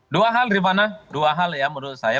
dua hal rifana dua hal ya menurut saya